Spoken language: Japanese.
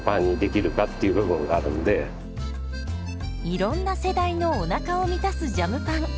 いろんな世代のおなかを満たすジャムパン。